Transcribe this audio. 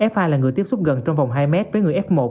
f hai là người tiếp xúc gần trong vòng hai mét với người f một